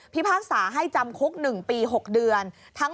พากษาให้จำคุก๑ปี๖เดือน